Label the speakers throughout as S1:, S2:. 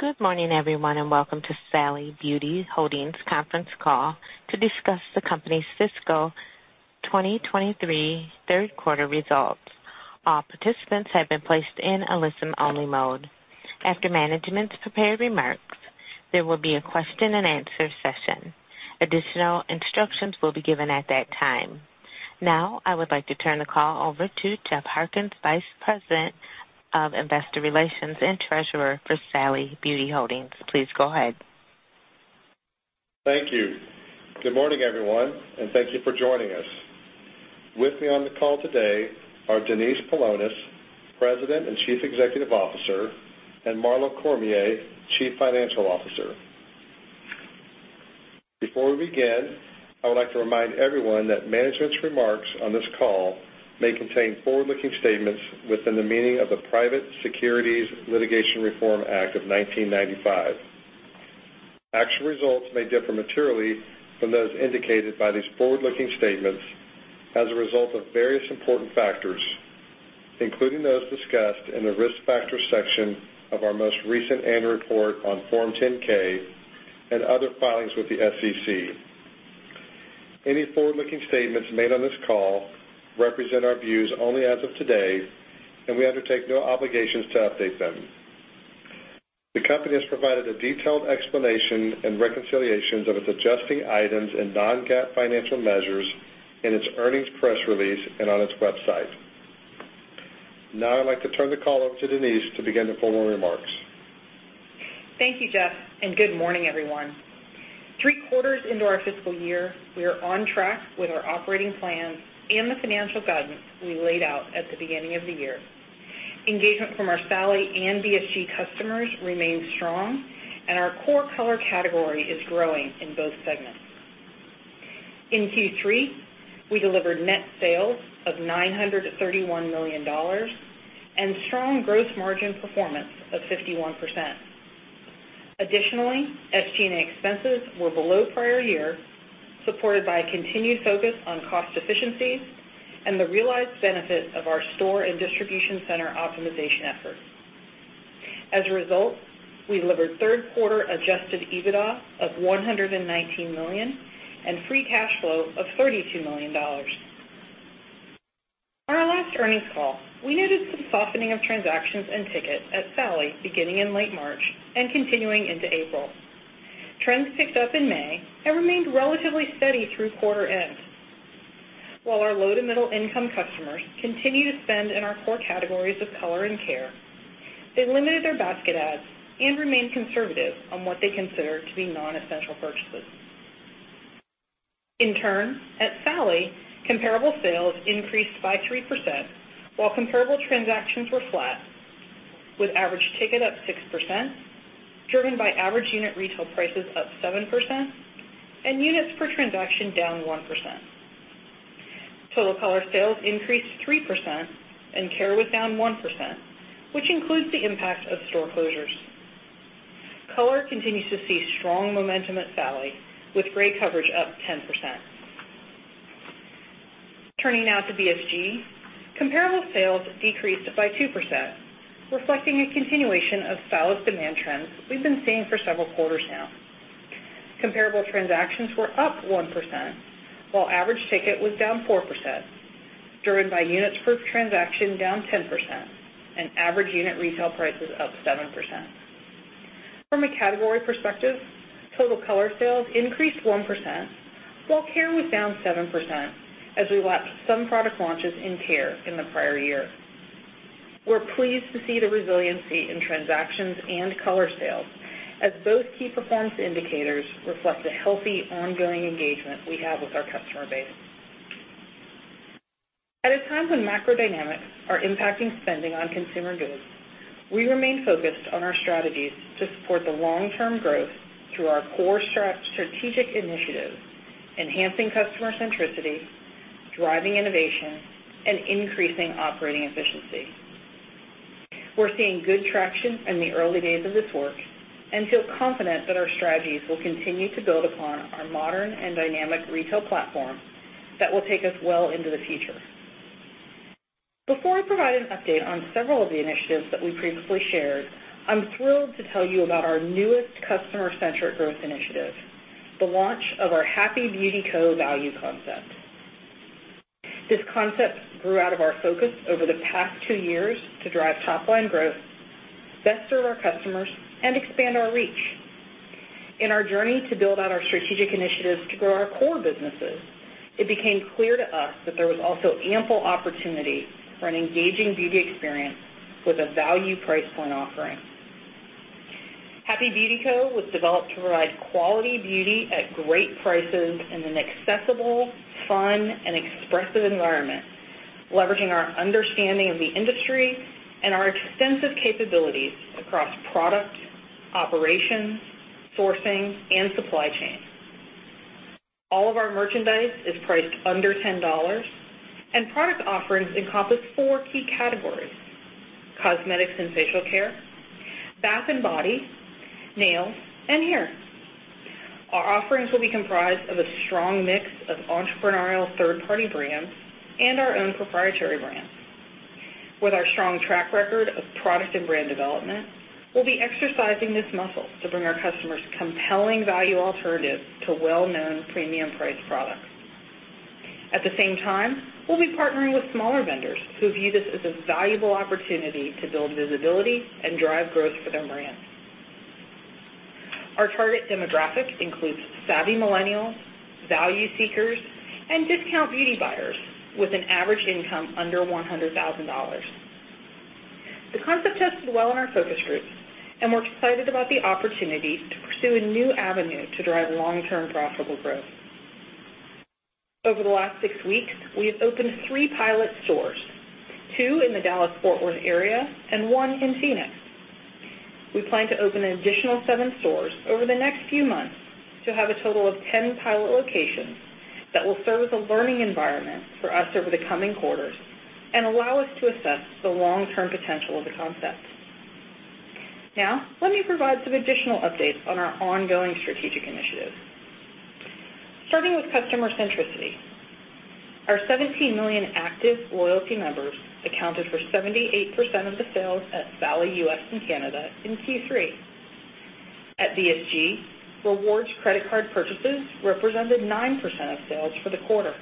S1: Good morning, everyone, and welcome to Sally Beauty Holdings Conference Call to discuss the company's fiscal 2023 Q3 results. All participants have been placed in a listen-only mode. After management's prepared remarks, there will be a question-and-answer session. Additional instructions will be given at that time. Now, I would like to turn the call over to Jeff Harkins, Vice President of Investor Relations and Treasurer for Sally Beauty Holdings. Please go ahead.
S2: Thank you. Good morning, everyone, and thank you for joining us. With me on the call today are Denise Paulonis, President and Chief Executive Officer, and Marlo Cormier, Chief Financial Officer. Before we begin, I would like to remind everyone that management's remarks on this call may contain forward-looking statements within the meaning of the Private Securities Litigation Reform Act of 1995. Actual results may differ materially from those indicated by these forward-looking statements as a result of various important factors, including those discussed in the Risk Factors section of our most recent annual report on Form 10-K and other filings with the SEC. Any forward-looking statements made on this call represent our views only as of today, we undertake no obligations to update them. The company has provided a detailed explanation and reconciliations of its adjusting items and non-GAAP financial measures in its earnings press release and on its website. I'd like to turn the call over to Denise to begin the formal remarks.
S3: Thank you, Jeff, and good morning, everyone. Q3 into our fiscal year, we are on track with our operating plans and the financial guidance we laid out at the beginning of the year. Engagement from our Sally and BSG customers remains strong, and our core color category is growing in both segments. In Q3, we delivered net sales of $931 million and strong gross margin performance of 51%. Additionally, SG&A expenses were below prior year, supported by a continued focus on cost efficiencies and the realized benefit of our store and distribution center optimization efforts. As a result, we delivered Q3 adjusted EBITDA of $119 million and free cash flow of $32 million. On our last earnings call, we noted some softening of transactions and ticket at Sally beginning in late March and continuing into April. Trends picked up in May and remained relatively steady through quarter end. While our low to middle-income customers continue to spend in our core categories of color and care, they limited their basket adds and remained conservative on what they consider to be non-essential purchases. In turn, at Sally, comparable sales increased by 3%, while comparable transactions were flat, with average ticket up 6%, driven by average unit retail prices up 7% and units per transaction down 1%. Total color sales increased 3% and care was down 1%, which includes the impact of store closures. Color continues to see strong momentum at Sally, with great coverage up 10%. Turning now to BSG. Comparable sales decreased by 2%, reflecting a continuation of stylish demand trends we've been seeing for several quarters now. Comparable transactions were up 1%, while average ticket was down 4%, driven by units per transaction down 10% and average unit retail prices up 7%. From a category perspective, total color sales increased 1%, while care was down 7% as we launched some product launches in care in the prior year. We're pleased to see the resiliency in transactions and color sales as those key performance indicators reflect the healthy, ongoing engagement we have with our customer base. At a time when macro dynamics are impacting spending on consumer goods, we remain focused on our strategies to support the long-term growth through our core strategic initiatives, enhancing customer centricity, driving innovation, and increasing operating efficiency. We're seeing good traction in the early days of this work and feel confident that our strategies will continue to build upon our modern and dynamic retail platform that will take us well into the future. Before I provide an update on several of the initiatives that we previously shared, I'm thrilled to tell you about our newest customer-centric growth initiative, the launch of our Happy Beauty Co value concept. This concept grew out of our focus over the past two years to drive top-line growth, best serve our customers, and expand our reach. In our journey to build out our strategic initiatives to grow our core businesses, it became clear to us that there was also ample opportunity for an engaging beauty experience with a value price point offering. Happy Beauty Co was developed to provide quality beauty at great prices in an accessible, fun, and expressive environment, leveraging our understanding of the industry and our extensive capabilities across product, operations, sourcing, and supply chain. All of our merchandise is priced under $10, and product offerings encompass four key categories: cosmetics and facial care, bath and body, nails, and hair... Our offerings will be comprised of a strong mix of entrepreneurial third-party brands and our own proprietary brands. With our strong track record of product and brand development, we'll be exercising this muscle to bring our customers compelling value alternatives to well-known premium priced products. At the same time, we'll be partnering with smaller vendors who view this as a valuable opportunity to build visibility and drive growth for their brands. Our target demographic includes savvy millennials, value seekers, and discount beauty buyers with an average income under $100,000. The concept tested well in our focus groups, and we're excited about the opportunity to pursue a new avenue to drive long-term profitable growth. Over the last 6 weeks, we have opened 3 pilot stores, 2 in the Dallas-Fort Worth area and 1 in Phoenix. We plan to open an additional 7 stores over the next few months to have a total of 10 pilot locations that will serve as a learning environment for us over the coming quarters and allow us to assess the long-term potential of the concept. Now, let me provide some additional updates on our ongoing strategic initiatives. Starting with customer centricity. Our 17 million active loyalty members accounted for 78% of the sales at Sally US and Canada in Q3. At BSG, rewards credit card purchases represented 9% of sales for the quarter.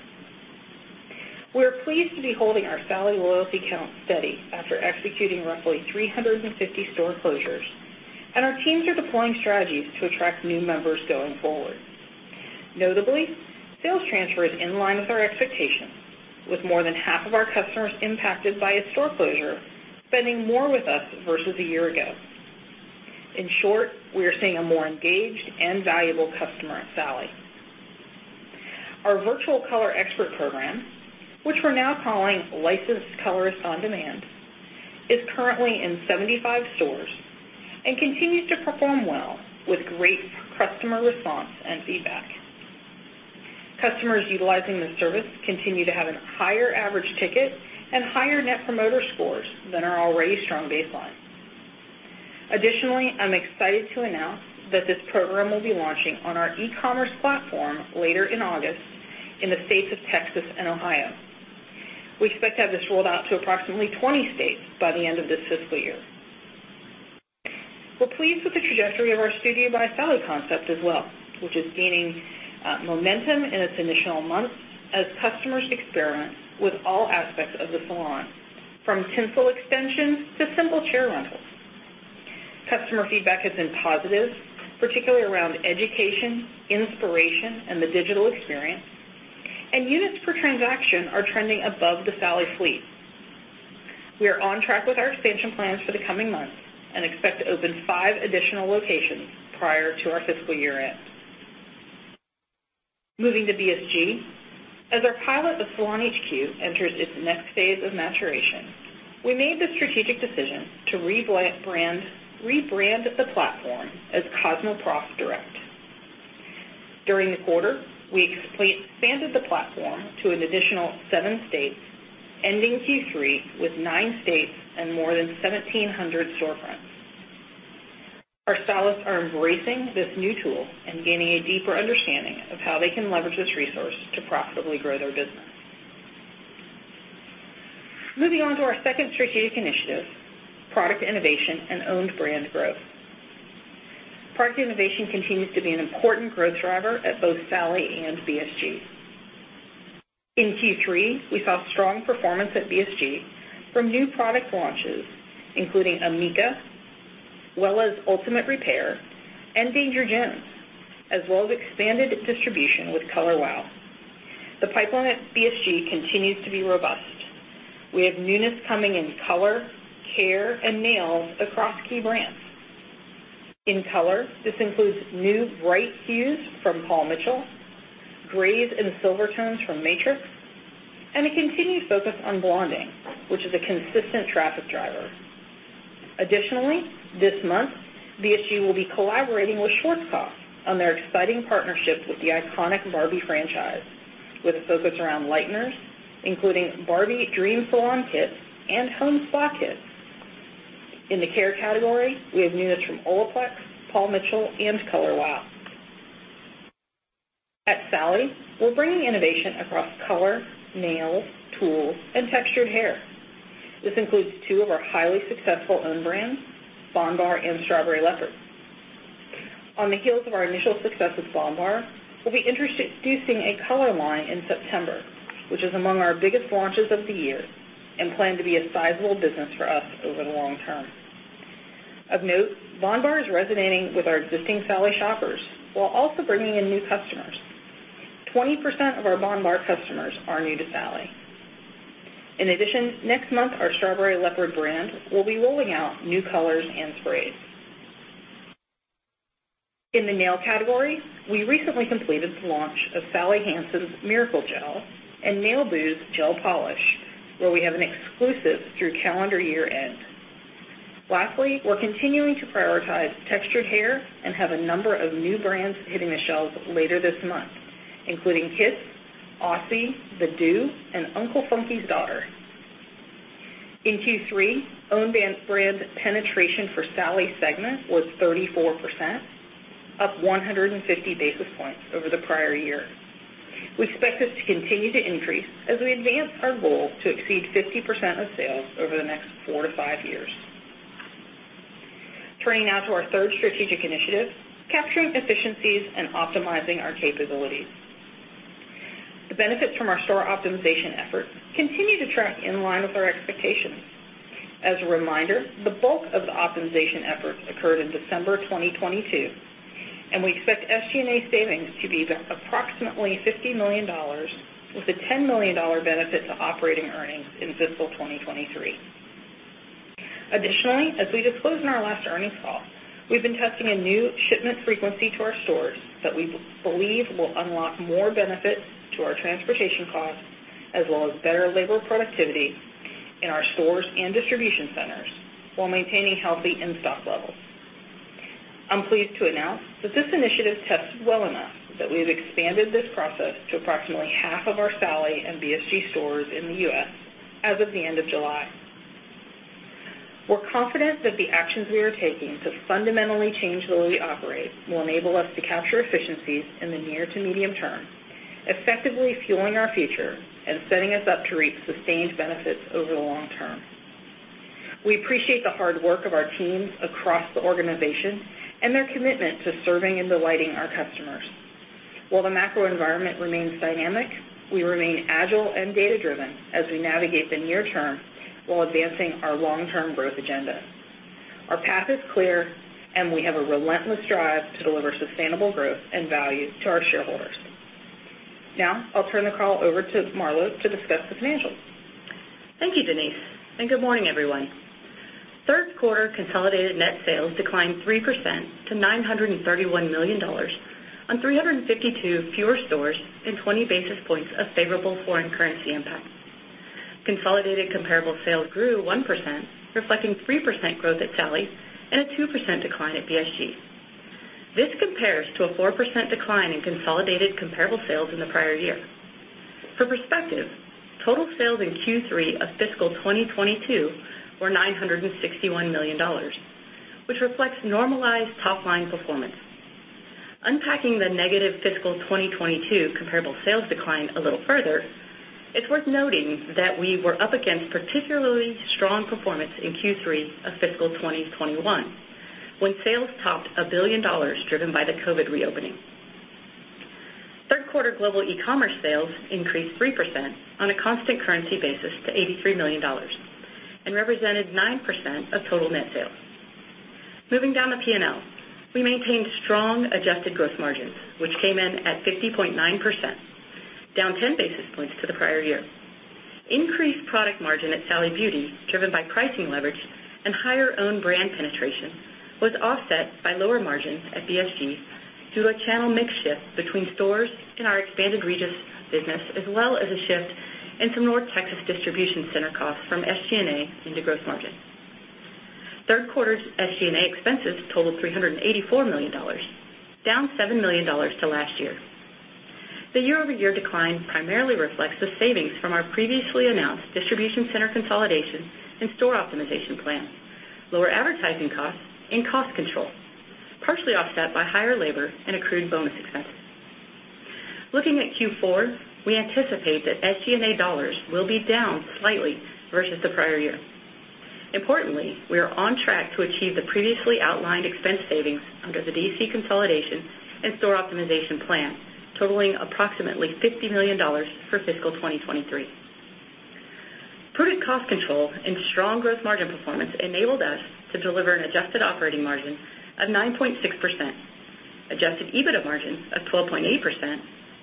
S3: We are pleased to be holding our Sally loyalty count steady after executing roughly 350 store closures. Our teams are deploying strategies to attract new members going forward. Notably, sales transfer is in line with our expectations, with more than half of our customers impacted by a store closure, spending more with us versus a year ago. In short, we are seeing a more engaged and valuable customer at Sally. Our virtual color expert program, which we're now calling Licensed Colorist on Demand, is currently in 75 stores and continues to perform well with great customer response and feedback. Customers utilizing this service continue to have a higher average ticket and higher Net Promoter Scores than our already strong baseline. Additionally, I'm excited to announce that this program will be launching on our e-commerce platform later in August in the states of Texas and Ohio. We expect to have this rolled out to approximately 20 states by the end of this fiscal year. We're pleased with the trajectory of our Studio by Sally concept as well, which is gaining momentum in its initial months as customers experiment with all aspects of the salon, from tinsel extensions to simple chair rentals. Customer feedback has been positive, particularly around education, inspiration, and the digital experience, and units per transaction are trending above the Sally fleet. We are on track with our expansion plans for the coming months and expect to open five additional locations prior to our fiscal year end. Moving to BSG. As our pilot of SalonHQ enters its next phase of maturation, we made the strategic decision to rebrand, rebrand the platform as CosmoProf Direct. During the quarter, we expanded the platform to an additional 7 states, ending Q3 with 9 states and more than 1,700 storefronts. Our stylists are embracing this new tool and gaining a deeper understanding of how they can leverage this resource to profitably grow their business. Moving on to our second strategic initiative, product innovation and own-brand growth. Product innovation continues to be an important growth driver at both Sally and BSG. In Q3, we saw strong performance at BSG from new product launches, including amika, Wella's Ultimate Repair, and Danger Jones, as well as expanded distribution with Color Wow. The pipeline at BSG continues to be robust. We have newness coming in color, care, and nails across key brands. In color, this includes new bright hues from Paul Mitchell, grays and silver tones from Matrix, and a continued focus on blonding, which is a consistent traffic driver. Additionally, this month, BSG will be collaborating with Schwarzkopf on their exciting partnership with the iconic Barbie franchise, with a focus around lighteners, including Barbie Dream Salon kits and home spa kits. In the care category, we have newness from Olaplex, Paul Mitchell, and Color Wow. At Sally, we're bringing innovation across color, nails, tools, and textured hair. This includes two of our highly successful own brands, bondbar and Strawberry Leopard. On the heels of our initial success with bondbar, we'll be introducing a color line in September, which is among our biggest launches of the year and planned to be a sizable business for us over the long term. Of note, bondbar is resonating with our existing Sally shoppers while also bringing in new customers. 20% of our bondbar customers are new to Sally. Next month, our Strawberry Leopard brand will be rolling out new colors and sprays. In the nail category, we recently completed the launch of Sally Hansen's Miracle Gel and Nailboo's gel polish, where we have an exclusive through calendar year end. Lastly, we're continuing to prioritize textured hair and have a number of new brands hitting the shelves later this month, including KISS, Aussie, The Doux, and Uncle Funky's Daughter. In Q3, own band brand penetration for Sally segment was 34%, up 150 basis points over the prior year. We expect this to continue to increase as we advance our goal to exceed 50% of sales over the next 4 to 5 years. Turning now to our third strategic initiative, capturing efficiencies and optimizing our capabilities. The benefits from our store optimization efforts continue to track in line with our expectations. As a reminder, the bulk of the optimization efforts occurred in December 2022, and we expect SG&A savings to be approximately $50 million, with a $10 million benefit to operating earnings in fiscal 2023. Additionally, as we disclosed in our last earnings call, we've been testing a new shipment frequency to our stores that we believe will unlock more benefits to our transportation costs, as well as better labor productivity in our stores and distribution centers, while maintaining healthy in-stock levels. I'm pleased to announce that this initiative tested well enough that we've expanded this process to approximately half of our Sally and BSG stores in the U.S. as of the end of July. We're confident that the actions we are taking to fundamentally change the way we operate will enable us to capture efficiencies in the near to medium term, effectively fueling our future and setting us up to reach sustained benefits over the long term. We appreciate the hard work of our teams across the organization and their commitment to serving and delighting our customers. While the macro environment remains dynamic, we remain agile and data-driven as we navigate the near term while advancing our long-term growth agenda. Our path is clear, and we have a relentless drive to deliver sustainable growth and value to our shareholders. Now I'll turn the call over to Marla to discuss the financials.
S4: Thank you, Denise, good morning, everyone. Q3 consolidated net sales declined 3% to $931 million on 352 fewer stores and 20 basis points of favorable foreign currency impact. Consolidated comparable sales grew 1%, reflecting 3% growth at Sally and a 2% decline at BSG. This compares to a 4% decline in consolidated comparable sales in the prior year. For perspective, total sales in Q3 of fiscal 2022 were $961 million, which reflects normalized top-line performance. Unpacking the negative fiscal 2022 comparable sales decline a little further, it's worth noting that we were up against particularly strong performance in Q3 of fiscal 2021, when sales topped $1 billion, driven by the COVID reopening. Q3 global e-commerce sales increased 3% on a constant currency basis to $83 million and represented 9% of total net sales. Moving down the P&L, we maintained strong adjusted gross margins, which came in at 50.9%, down 10 basis points to the prior year. Increased product margin at Sally Beauty, driven by pricing leverage and higher own-brand penetration, was offset by lower margins at BSG due to a channel mix shift between stores and our expanded Regis business, as well as a shift in some North Texas distribution center costs from SG&A into gross margin. Q3 SG&A expenses totaled $384 million, down $7 million to last year. The year-over-year decline primarily reflects the savings from our previously announced distribution center consolidation and store optimization plan, lower advertising costs and cost control, partially offset by higher labor and accrued bonus expenses. Looking at Q4, we anticipate that SG&A dollars will be down slightly versus the prior year. Importantly, we are on track to achieve the previously outlined expense savings under the DC consolidation and store optimization plan, totaling approximately $50 million for fiscal 2023. Prudent cost control and strong growth margin performance enabled us to deliver an adjusted operating margin of 9.6%, adjusted EBITDA margin of 12.8%,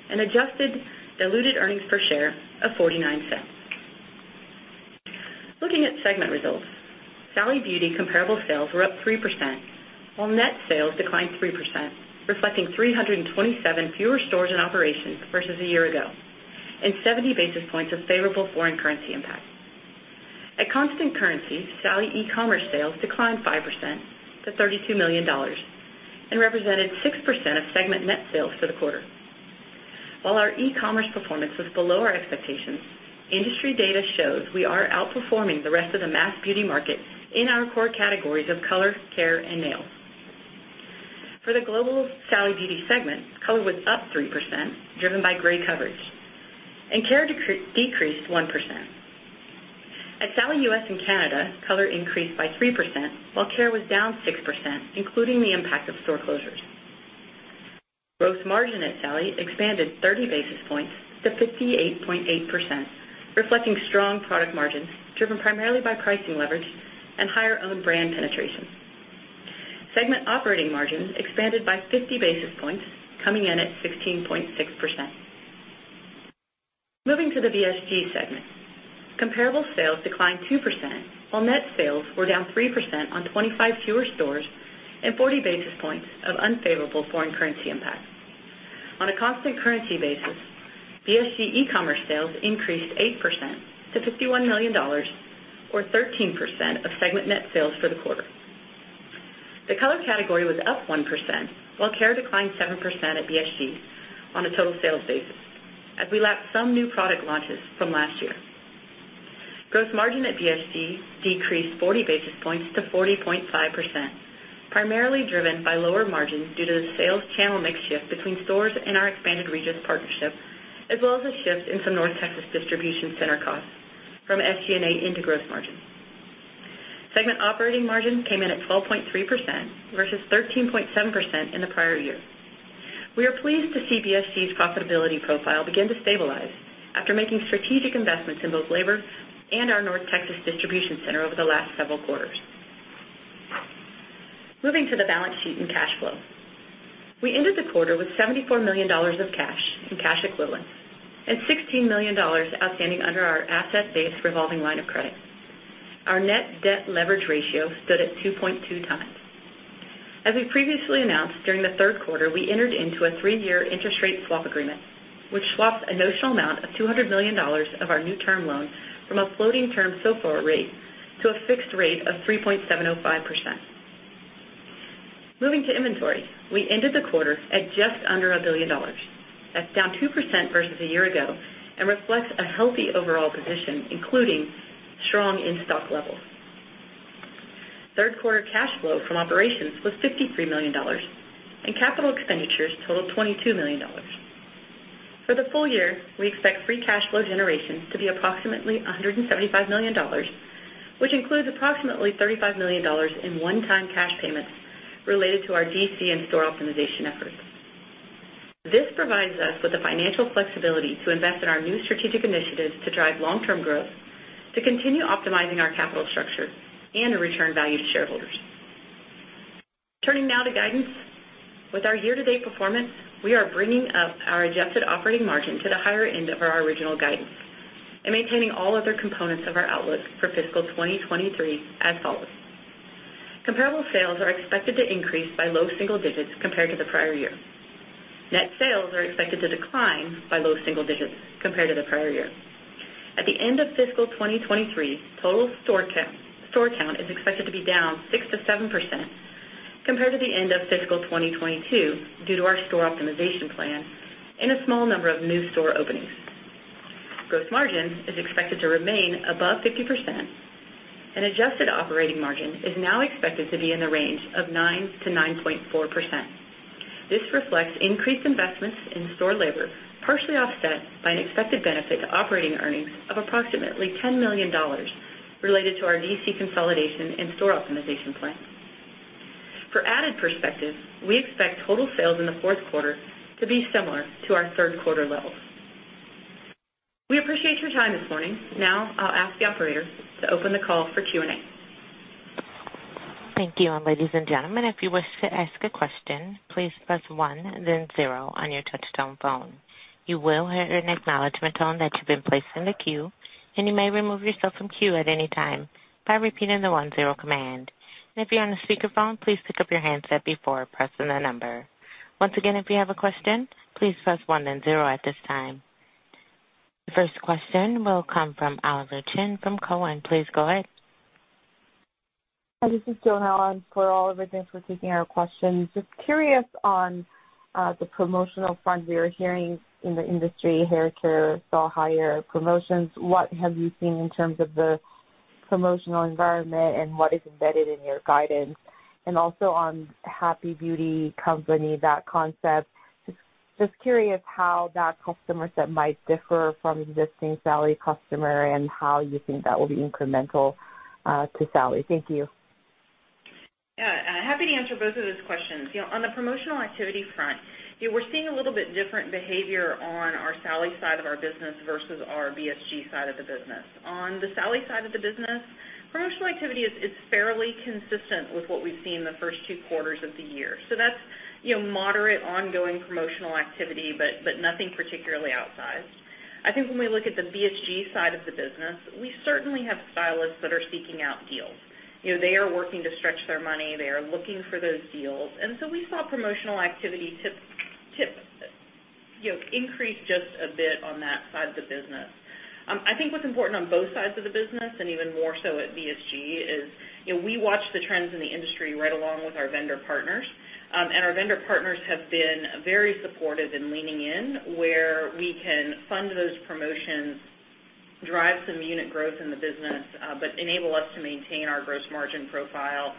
S4: and adjusted diluted earnings per share of $0.49. Looking at segment results, Sally Beauty comparable sales were up 3%, while net sales declined 3%, reflecting 327 fewer stores in operation versus a year ago, and 70 basis points of favorable foreign currency impact. At constant currency, Sally e-commerce sales declined 5% to $32 million and represented 6% of segment net sales for the quarter. While our e-commerce performance was below our expectations, industry data shows we are outperforming the rest of the mass beauty market in our core categories of color, care, and nail. For the global Sally Beauty segment, color was up 3%, driven by gray coverage, and care decreased 1%. At Sally US and Canada, color increased by 3%, while care was down 6%, including the impact of store closures. Gross margin at Sally expanded 30 basis points to 58.8%, reflecting strong product margins, driven primarily by pricing leverage and higher own-brand penetration. Segment operating margins expanded by 50 basis points, coming in at 16.6%. Moving to the BSG segment. Comparable sales declined 2%, while net sales were down 3% on 25 fewer stores and 40 basis points of unfavorable foreign currency impact. On a constant currency basis, BSG e-commerce sales increased 8% to $51 million or 13% of segment net sales for the quarter. The color category was up 1%, while care declined 7% at BSG on a total sales basis, as we lacked some new product launches from last year. Gross margin at BSG decreased 40 basis points to 40.5%, primarily driven by lower margins due to the sales channel mix shift between stores and our expanded Regis partnership, as well as a shift in some North Texas distribution center costs from SG&A into gross margin. Segment operating margin came in at 12.3% versus 13.7% in the prior year. We are pleased to see BSG's profitability profile begin to stabilize after making strategic investments in both labor and our North Texas distribution center over the last several quarters. Moving to the balance sheet and cash flow. We ended the quarter with $74 million of cash and cash equivalents, and $16 million outstanding under our asset-based revolving line of credit. Our net debt leverage ratio stood at 2.2x. As we previously announced, during the Q3, we entered into a three-year interest rate swap agreement, which swapped a notional amount of $200 million of our new term loan from a floating term SOFR rate to a fixed rate of 3.705%. Moving to inventory, we ended the quarter at just under $1 billion. That's down 2% versus a year ago, and reflects a healthy overall position, including strong in-stock levels. Q3 cash flow from operations was $53 million, and capital expenditures totaled $22 million. For the full year, we expect free cash flow generation to be approximately $175 million, which includes approximately $35 million in one-time cash payments related to our DC and store optimization efforts. This provides us with the financial flexibility to invest in our new strategic initiatives to drive long-term growth, to continue optimizing our capital structure, and to return value to shareholders. Turning now to guidance. With our year-to-date performance, we are bringing up our adjusted operating margin to the higher end of our original guidance and maintaining all other components of our outlook for fiscal 2023 as follows: comparable sales are expected to increase by low single digits compared to the prior year. Net sales are expected to decline by low single digits compared to the prior year. At the end of fiscal 2023, total store count, store count is expected to be down 6%-7% compared to the end of fiscal 2022 due to our store optimization plan and a small number of new store openings. Gross margin is expected to remain above 50%, and adjusted operating margin is now expected to be in the range of 9%-9.4%. This reflects increased investments in store labor, partially offset by an expected benefit to operating earnings of approximately $10 million related to our DC consolidation and store optimization plan. For added perspective, we expect total sales in the Q4 to be similar to our Q3 levels. We appreciate your time this morning. I'll ask the operator to open the call for Q&A.
S1: Thank you. Ladies and gentlemen, if you wish to ask a question, please press one, then zero on your touchtone phone. You will hear an acknowledgment tone that you've been placed in the queue, and you may remove yourself from queue at any time by repeating the 1-0 command. If you're on a speakerphone, please pick up your handset before pressing the number. Once again, if you have a question, please press one, then zero at this time. The first question will come from Oliver Chen from Cowen. Please go ahead.
S5: Hi, this is Joan. For Oliver, thanks for taking our questions. Just curious on the promotional front. We are hearing in the industry, haircare saw higher promotions. What have you seen in terms of the promotional environment, and what is embedded in your guidance? Also on Happy Beauty Co, that concept, just, just curious how that customer set might differ from existing Sally customer and how you think that will be incremental to Sally. Thank you.
S4: Yeah, happy to answer both of those questions. You know, on the promotional activity front, we're seeing a little bit different behavior on our Sally side of our business versus our BSG side of the business. On the Sally side of the business, promotional activity is fairly consistent with what we've seen in the first two quarters of the year. That's, you know, moderate, ongoing promotional activity, but nothing particularly outsized. I think when we look at the BSG side of the business, we certainly have stylists that are seeking out deals. You know, they are working to stretch their money. They are looking for those deals, we saw promotional activity tip, you know, increase just a bit on that side of the business. I think what's important on both sides of the business, and even more so at BSG, is, you know, we watch the trends in the industry right along with our vendor partners. Our vendor partners have been very supportive in leaning in where we can fund those promotions, drive some unit growth in the business, but enable us to maintain our gross margin profile,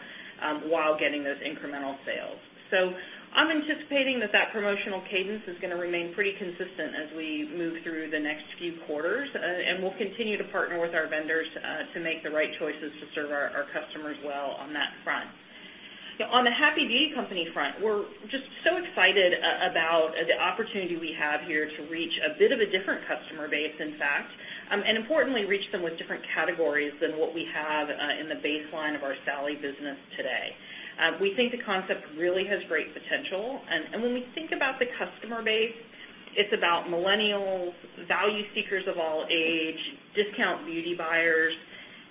S4: while getting those incremental sales. I'm anticipating that that promotional cadence is gonna remain pretty consistent as we move through the next few quarters, and we'll continue to partner with our vendors to make the right choices to serve our, our customers well on that front. On the Happy Beauty Co front, we're just so excited about the opportunity we have here to reach a bit of a different customer base, in fact, and importantly, reach them with different categories than what we have in the baseline of our Sally business today. We think the concept really has great potential. When we think about the customer base, it's about millennials, value seekers of all age, discount beauty buyers.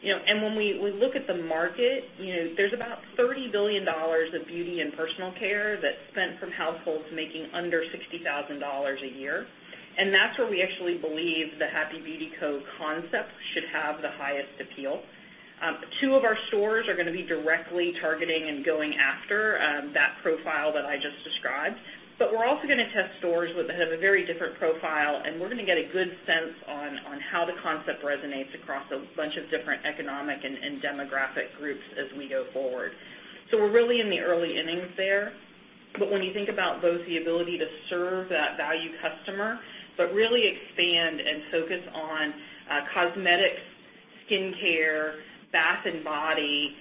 S4: You know, when we look at the market, you know, there's about $30 billion of beauty and personal care that's spent from households making under $60,000 a year, and that's where we actually believe the Happy Beauty Co concept should have the highest appeal.
S3: Two of our stores are going to be directly targeting and going after that profile that I just described. We're also going to test stores that have a very different profile, and we're going to get a good sense on how the concept resonates across a bunch of different economic and demographic groups as we go forward. We're really in the early innings there. When you think about both the ability to serve that value customer, but really expand and focus on cosmetics, skin care, bath and body,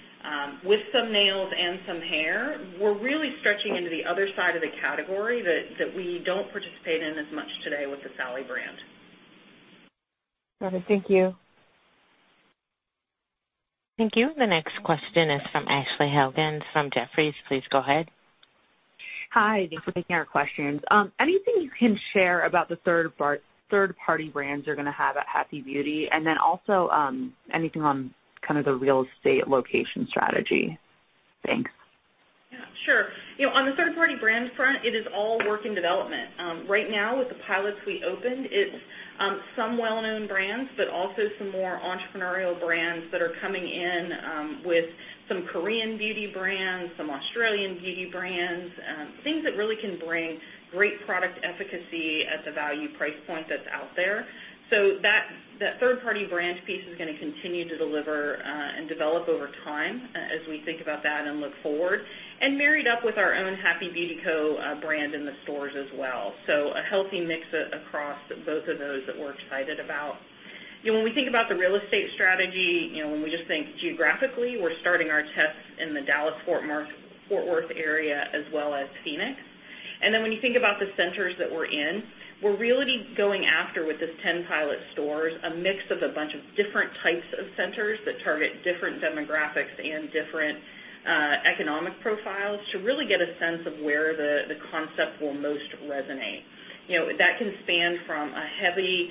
S3: with some nails and some hair, we're really stretching into the other side of the category that we don't participate in as much today with the Sally brand.
S5: Got it. Thank you.
S1: Thank you. The next question is from Ashley Helgans from Jefferies. Please go ahead.
S6: Hi, thanks for taking our questions. Anything you can share about the third-party brands you're gonna have at Happy Beauty? Then also, anything on kind of the real estate location strategy? Thanks.
S3: Yeah, sure. You know, on the third-party brand front, it is all work in development. Right now, with the pilots we opened, it's, some well-known brands, but also some more entrepreneurial brands that are coming in, with some Korean beauty brands, some Australian beauty brands, things that really can bring great product efficacy at the value price point that's out there. That, that third-party brand piece is gonna continue to deliver, and develop over time as we think about that and look forward, and married up with our own Happy Beauty Co., brand in the stores as well. A healthy mix across both of those that we're excited about. When we think about the real estate strategy, you know, when we just think geographically, we're starting our tests in the Dallas-Fort Worth area as well as Phoenix. Then when you think about the centers that we're in, we're really going after, with this 10 pilot stores, a mix of a bunch of different types of centers that target different demographics and different economic profiles to really get a sense of where the concept will most resonate. You know, that can span from a heavy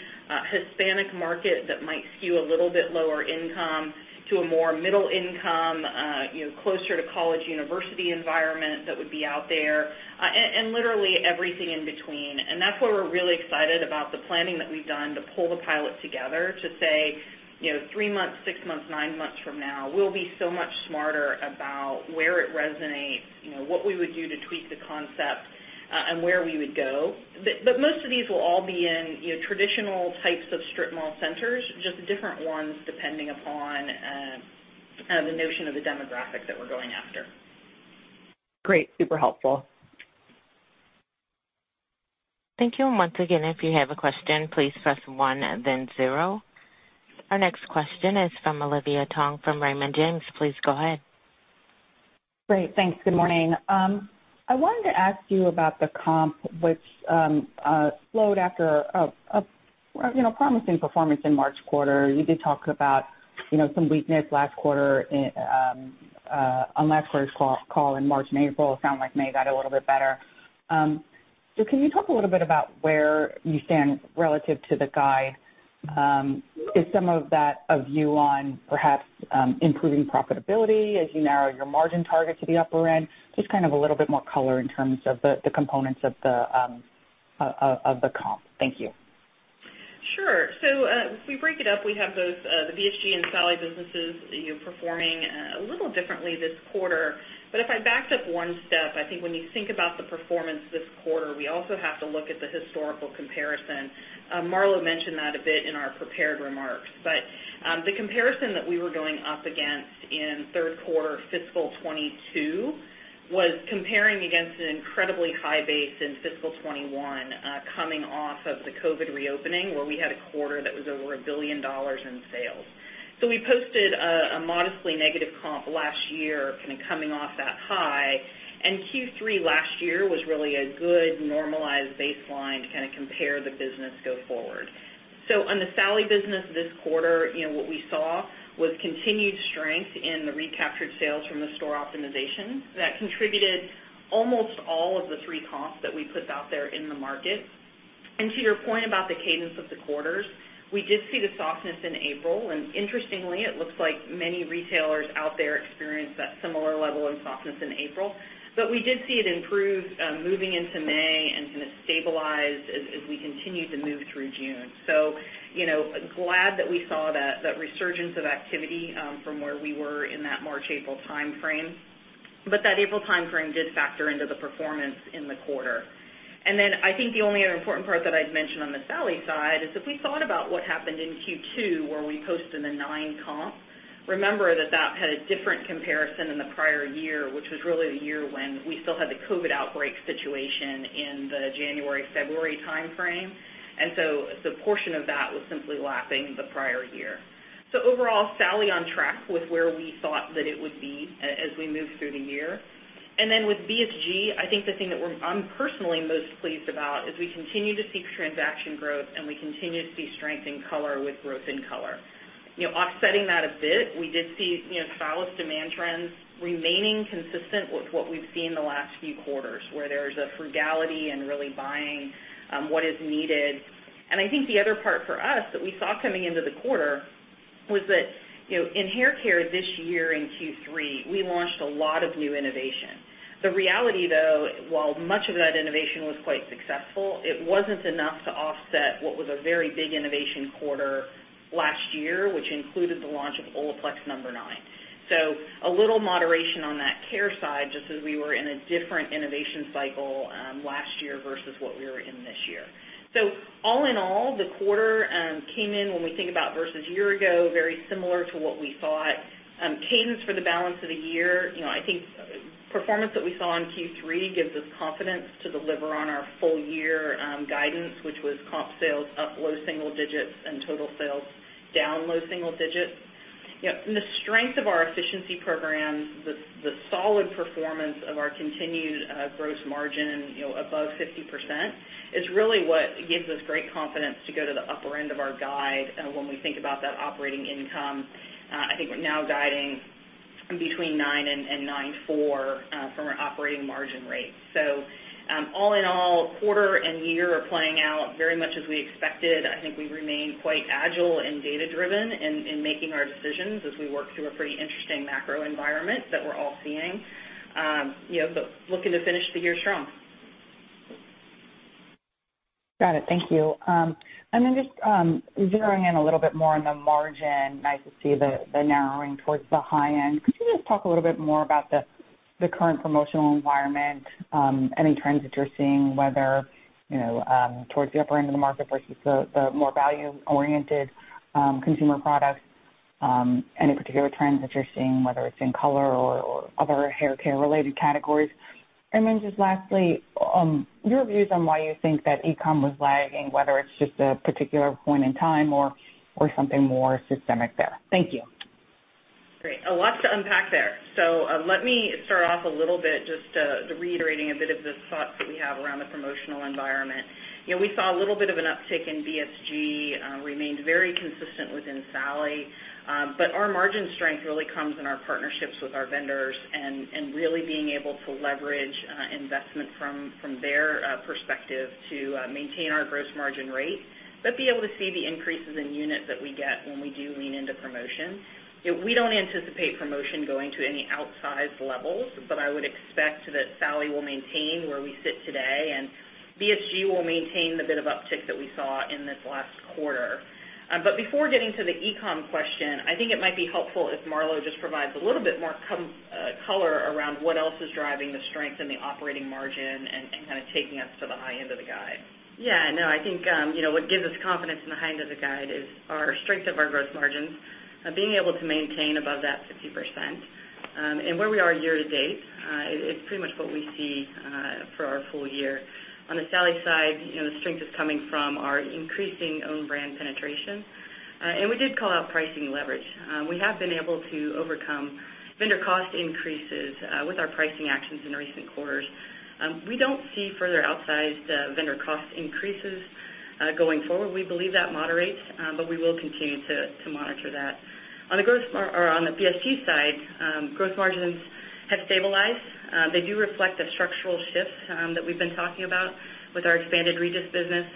S3: Hispanic market that might skew a little bit lower income to a more middle income, you know, closer to college university environment that would be out there, and literally everything in between. That's why we're really excited about the planning that we've done to pull the pilot together to say, you know, 3 months, 6 months, 9 months from now, we'll be so much smarter about where it resonates, you know, what we would do to tweak the concept, and where we would go. Most of these will all be in, you know, traditional types of strip mall centers, just different ones, depending upon, kind of the notion of the demographic that we're going after.
S6: Great. Super helpful.
S1: Thank you. Once again, if you have a question, please press one and then zero. Our next question is from Olivia Tong from Raymond James. Please go ahead.
S7: Great, thanks. Good morning. I wanted to ask you about the comp, which slowed after a, you know, promising performance in March quarter. You did talk about, you know, some weakness last quarter on last quarter's call in March and April. It sounded like May got a little bit better. Can you talk a little bit about where you stand relative to the guide? Is some of that a view on perhaps improving profitability as you narrow your margin target to the upper end? Just kind of a little bit more color in terms of the components of the comp. Thank you.
S3: Sure. If we break it up, we have both the BSG and Sally businesses, you know, performing a little differently this quarter. If I backed up one step, I think when you think about the performance this quarter, we also have to look at the historical comparison. Marlo mentioned that a bit in our prepared remarks, the comparison that we were going up against in Q3 fiscal 2022 was comparing against an incredibly high base in fiscal 2021, coming off of the COVID reopening, where we had a quarter that was over $1 billion in sales. We posted a, a modestly negative comp last year, kind of coming off that high, and Q3 last year was really a good normalized baseline to kind of compare the business go forward. On the Sally business this quarter, you know, what we saw was continued strength in the recaptured sales from the store optimization. That contributed almost all of the 3 comps that we put out there in the market. To your point about the cadence of the quarters, we did see the softness in April, and interestingly, it looks like many retailers out there experienced that similar level of softness in April. We did see it improve, moving into May and kinda stabilize as, as we continued to move through June. You know, glad that we saw that, that resurgence of activity, from where we were in that March, April timeframe, that April timeframe did factor into the performance in the quarter. Then I think the only other important part that I'd mention on the Sally side is if we thought about what happened in Q2, where we posted a 9 comp, remember that that had a different comparison than the prior year, which was really the year when we still had the COVID outbreak situation in the January, February timeframe. Overall, Sally on track with where we thought that it would be as we move through the year. Then with BSG, I think the thing that I'm personally most pleased about is we continue to see transaction growth, and we continue to see strength in color with growth in color. You know, offsetting that a bit, we did see, you know, stylist demand trends remaining consistent with what we've seen the last few quarters, where there's a frugality and really buying what is needed. I think the other part for us that we saw coming into the quarter was that, you know, in hair care this year, in Q3, we launched a lot of new innovation. The reality, though, while much of that innovation was quite successful, it wasn't enough to offset what was a very big innovation quarter last year, which included the launch of Olaplex number nine. A little moderation on that care side, just as we were in a different innovation cycle last year versus what we were in this year. All in all, the quarter came in when we think about versus year ago, very similar to what we thought. Cadence for the balance of the year, you know, I think performance that we saw in Q3 gives us confidence to deliver on our full year guidance, which was comp sales up low single digits and total sales down low single digits. You know, and the strength of our efficiency programs, the, the solid performance of our continued gross margin, you know, above 50%, is really what gives us great confidence to go to the upper end of our guide when we think about that operating income. I think we're now guiding between 9% and 9.4% from our operating margin rate. All in all, quarter and year are playing out very much as we expected. I think we remain quite agile and data driven in making our decisions as we work through a pretty interesting macro environment that we're all seeing. You know, looking to finish the year strong.
S7: Got it. Thank you. Then just zeroing in a little bit more on the margin, nice to see the narrowing towards the high end. Could you just talk a little bit more about the current promotional environment, any trends that you're seeing, whether, you know, towards the upper end of the market versus the more value-oriented consumer products, any particular trends that you're seeing, whether it's in color or other hair care related categories? Then just lastly, your views on why you think that e-com was lagging, whether it's just a particular point in time or something more systemic there. Thank you?
S3: Great. A lot to unpack there. Let me start off a little bit just reiterating a bit of the thoughts that we have around the promotional environment. You know, we saw a little bit of an uptick in BSG, remained very consistent within Sally. Our margin strength really comes in our partnerships with our vendors and, and really being able to leverage investment from, from their perspective to maintain our gross margin rate, but be able to see the increases in units that we get when we do lean into promotion. We don't anticipate promotion going to any outsized levels, but I would expect that Sally will maintain where we sit today, and BSG will maintain the bit of uptick that we saw in this last quarter. Before getting to the e-com question, I think it might be helpful if Marlo just provides a little bit more color around what else is driving the strength in the operating margin and kind of taking us to the high end of the guide.
S4: Yeah, no, I think, you know, what gives us confidence in the high end of the guide is our strength of our gross margins, being able to maintain above that 50%. Where we are year to date, it's pretty much what we see for our full year. On the Sally side, you know, the strength is coming from our increasing own-brand penetration. We did call out pricing leverage. We have been able to overcome vendor cost increases with our pricing actions in recent quarters. We don't see further outsized vendor cost increases going forward. We believe that moderates, but we will continue to, to monitor that. On the growth or on the BSG side, growth margins have stabilized. They do reflect a structural shift that we've been talking about with our expanded Regis business,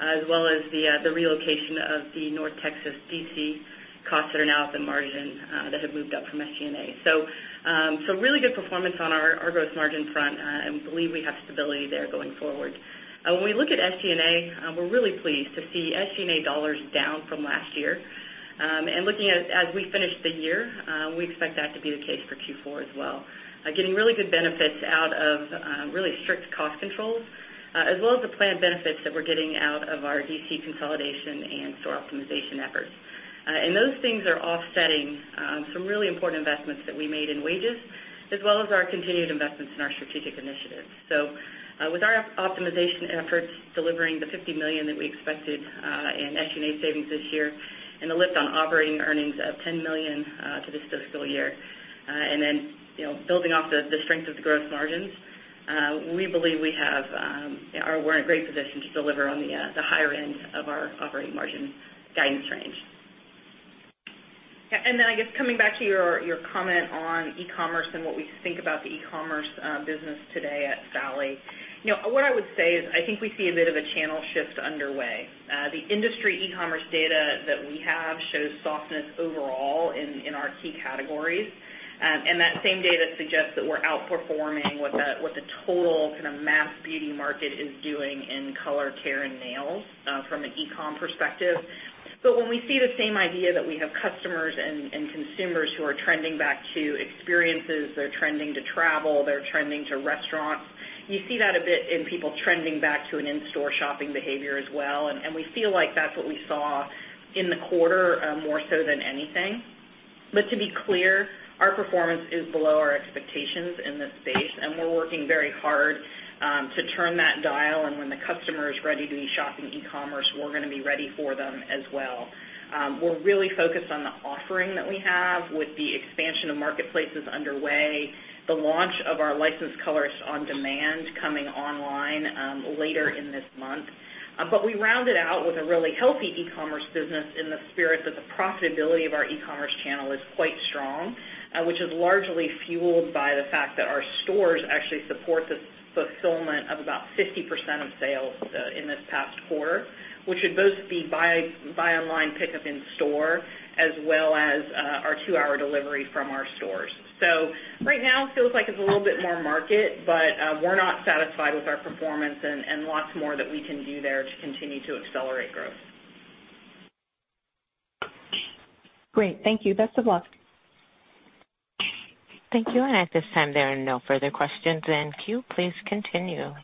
S4: as well as the relocation of the North Texas DC costs that are now at the margin, that have moved up from SG&A. Really good performance on our growth margin front, and believe we have stability there going forward. When we look at SG&A, we're really pleased to see SG&A dollars down from last year. Looking at, as we finish the year, we expect that to be the case for Q4 as well. Getting really good benefits out of really strict cost controls, as well as the planned benefits that we're getting out of our DC consolidation and store optimization efforts. Those things are offsetting some really important investments that we made in wages, as well as our continued investments in our strategic initiatives. With our optimization efforts delivering the $50 million that we expected in SG&A savings this year, and the lift on operating earnings of $10 million to this fiscal year, and then, you know, building off the strength of the growth margins, we believe we have or we're in a great position to deliver on the higher end of our operating margin guidance range.
S3: Then, I guess, coming back to your, your comment on e-commerce and what we think about the e-commerce business today at Sally. You know, what I would say is, I think we see a bit of a channel shift underway. The industry e-commerce data that we have shows softness overall in, in our key categories. That same data suggests that we're outperforming what the, what the total kind of mass beauty market is doing in color, care, and nails from an e-com perspective. When we see the same idea that we have customers and, and consumers who are trending back to experiences, they're trending to travel, they're trending to restaurants, you see that a bit in people trending back to an in-store shopping behavior as well. And we feel like that's what we saw in the quarter more so than anything. To be clear, our performance is below our expectations in this space, and we're working very hard to turn that dial. When the customer is ready to be shopping e-commerce, we're gonna be ready for them as well. We're really focused on the offering that we have with the expansion of marketplaces underway, the launch of our Licensed Colorist on Demand coming online later in this month. We rounded out with a really healthy e-commerce business in the spirit that the profitability of our e-commerce channel is quite strong, which is largely fueled by the fact that our stores actually support the fulfillment of about 50% of sales in this past quarter, which would both be buy, buy online, pickup in store, as well as our 2-hour delivery from our stores. Right now, it feels like it's a little bit more market, but we're not satisfied with our performance and, and lots more that we can do there to continue to accelerate growth.
S7: Great. Thank you. Best of luck.
S1: Thank you. At this time, there are no further questions in queue. Please continue.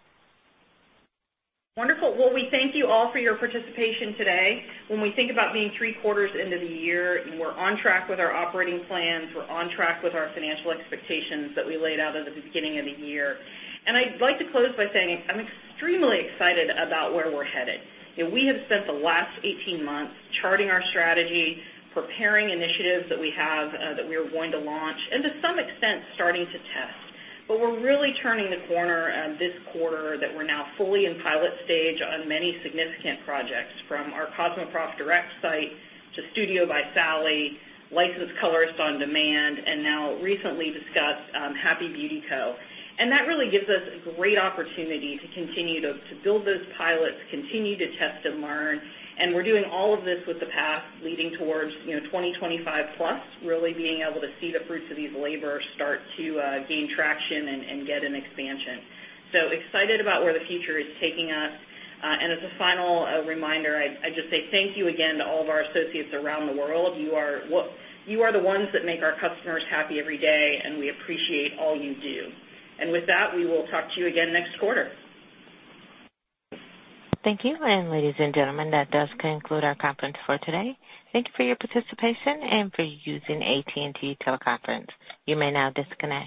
S3: Wonderful. Well, we thank you all for your participation today. When we think about being three-quarters into the year, we're on track with our operating plans, we're on track with our financial expectations that we laid out at the beginning of the year. I'd like to close by saying I'm extremely excited about where we're headed. We have spent the last 18 months charting our strategy, preparing initiatives that we have that we are going to launch, and to some extent, starting to test. We're really turning the corner this quarter, that we're now fully in pilot stage on many significant projects, from our CosmoProf Direct site, to Studio by Sally, Licensed Colorist on Demand, and now recently discussed, Happy Beauty Co. That really gives us great opportunity to continue to build those pilots, continue to test and learn. We're doing all of this with the path leading towards, you know, 2025 plus, really being able to see the fruits of these labor start to gain traction and get an expansion. Excited about where the future is taking us. As a final reminder, I just say thank you again to all of our associates around the world. You are the ones that make our customers happy every day, and we appreciate all you do. With that, we will talk to you again next quarter.
S1: Thank you. Ladies and gentlemen, that does conclude our conference for today. Thank you for your participation and for using AT&T. You may now disconnect.